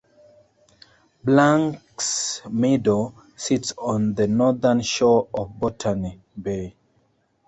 Banksmeadow sits on the northern shore of Botany Bay.